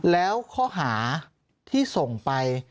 แล้วข้อหาที่ส่งไป